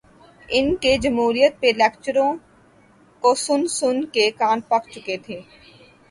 ان کے جمہوریت پہ لیکچروں کو سن سن کے کان پک چکے تھے۔